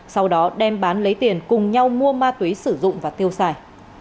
sau đó đem bán lấy tiền cùng nhau mua ma túy sử dụng và tiêu xài